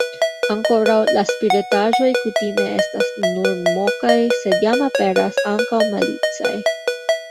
Ankoraŭ la spritaĵoj kutime estas nur mokaj, sed jam aperas ankaŭ malicaj.